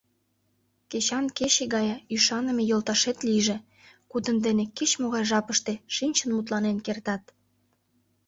Кечан кече гае ӱшаныме йолташет лийже, кудын дене кеч-могай жапыште шинчын мутланен кертат.